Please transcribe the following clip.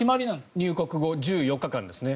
入国後１４日間ですね。